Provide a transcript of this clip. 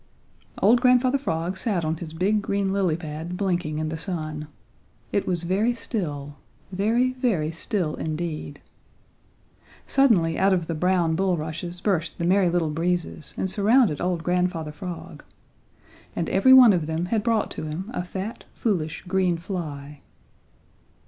Old Grandfather Frog sat on his big green lily pad blinking in the sun. It was very still, very, very still indeed. Suddenly out of the brown bulrushes burst the Merry Little Breezes and surrounded old Grandfather Frog. And every one of them had brought to him a fat, foolish, green fly.